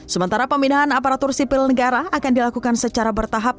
sementara pembinaan aparatur sipil negara akan dilakukan secara bertahap